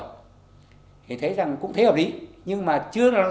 thì thấy rằng cũng thế hợp lý nhưng mà chưa là nó thấy rõ